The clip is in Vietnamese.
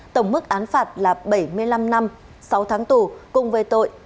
tổng mức án phạt là bảy mươi năm năm sáu tháng tù cùng về tội